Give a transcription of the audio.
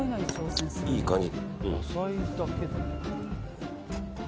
いい感じ。